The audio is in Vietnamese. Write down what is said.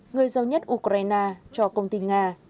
người giàu nhất ukraine cho công ty nga